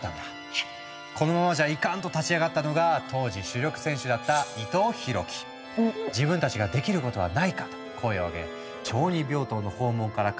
「このままじゃイカン！」と立ち上がったのが当時主力選手だった「自分たちができることはないか」と声を上げ小児病棟の訪問から河原のゴミ拾い